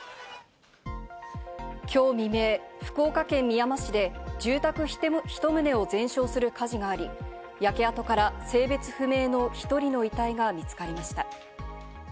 今日未明、福岡県みやま市で住宅１棟を全焼する火事があり、焼け跡から性別不明の１人の遺体が見つかりました。